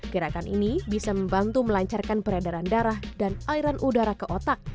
gerakan ini bisa membantu melancarkan peredaran darah dan airan udara ke otak